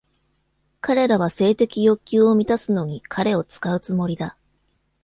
彼らは性的欲求を満たすのに彼を使うつもりだ。